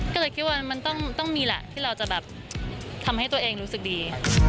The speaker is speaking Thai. ก็เลยคิดว่ามันต้องมีแหละที่เราจะแบบทำให้ตัวเองรู้สึกดี